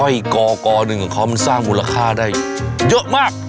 ยกอหนึ่งของเขามันสร้างมูลค่าได้เยอะมาก